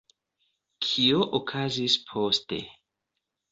Kio okazis poste?